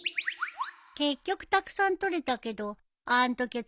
結局たくさん採れたけどあんときゃ